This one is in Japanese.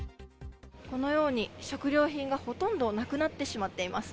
このように食料品がほとんどなくなってしまっています。